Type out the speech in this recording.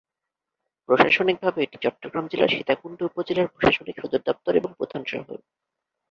প্রশাসনিকভাবে এটি চট্টগ্রাম জেলার সীতাকুণ্ড উপজেলার প্রশাসনিক সদরদপ্তর এবং প্রধান শহর।